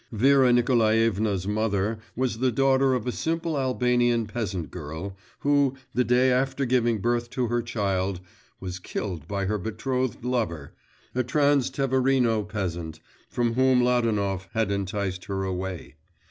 Vera Nikolaevna's mother was the daughter of a simple Albanian peasant girl, who, the day after giving birth to her child, was killed by her betrothed lover a Transteverino peasant from whom Ladanov had enticed her away.